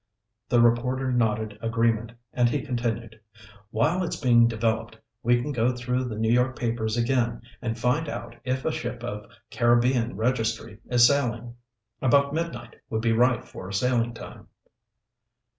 The reporter nodded agreement and he continued, "While it's being developed, we can go through the New York papers again and find out if a ship of Caribbean registry is sailing. About midnight would be right for a sailing time."